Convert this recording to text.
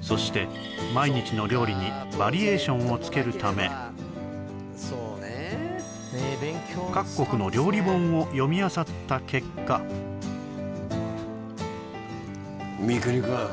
そして毎日の料理にバリエーションをつけるため各国の料理本を読みあさった結果三國くん